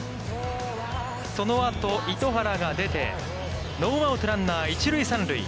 そのあと、糸原が出て、ノーアウト、ランナー一塁三塁。